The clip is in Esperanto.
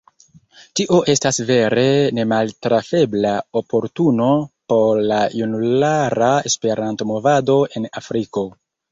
Tio estas vere nemaltrafebla oportuno por la junulara Esperanto-movado en Afriko.